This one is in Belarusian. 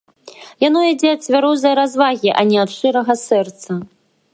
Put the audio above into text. Яно ідзе ад цвярозай развагі, а не ад шчырага сэрца.